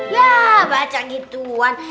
ya baca gituan